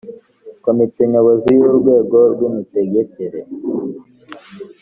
komite nyobozi y urwego rw imitegekere